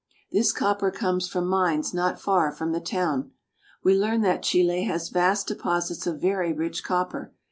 This copper comes from mines not far from the town. We learn that Chile has vast deposits of very rich copper.